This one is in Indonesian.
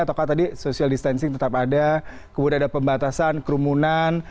ataukah tadi social distancing tetap ada kemudian ada pembatasan kerumunan